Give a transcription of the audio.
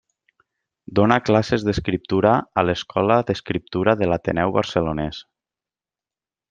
Dona classes d'escriptura a l'Escola d'Escriptura de l'Ateneu Barcelonès.